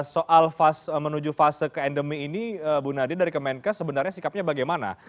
soal menuju fase ke endemi ini bu nadia dari kemenkes sebenarnya sikapnya bagaimana